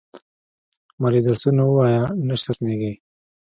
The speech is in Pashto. مالې درسونه ووايه نه شرمېږې.